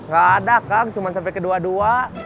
gak ada kang cuma sampai kedua dua